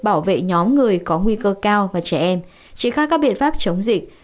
bảo vệ nhóm người có nguy cơ cao và trẻ em triển khai các biện pháp chống dịch